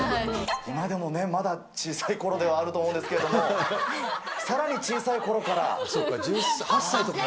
今でもまだ小さいころではあると思うんですけども、さらに小さいころから。